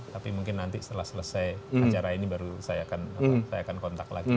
tapi mungkin nanti setelah selesai acara ini baru saya akan kontak lagi